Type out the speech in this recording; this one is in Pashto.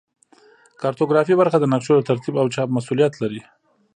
کارتوګرافي برخه د نقشو د ترتیب او چاپ مسوولیت لري